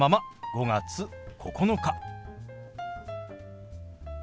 ５月９日。